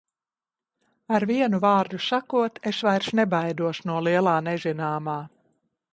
Ar vienu vārdu sakot, es vairs nebaidos no lielā nezināmā.